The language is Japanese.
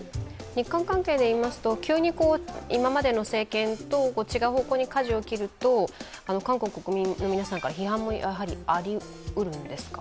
日韓関係で言いますと、急に今までの政権と違う方向にかじを切ると、韓国の国民から批判もやはりありうるんですか？